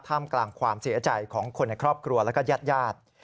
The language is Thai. มกลางความเสียใจของคนในครอบครัวแล้วก็ญาติญาติ